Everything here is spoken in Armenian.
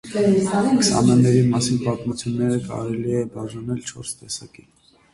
Քսանաների մասին պատմությունները կարելի է բաժանել չորս տեսակի։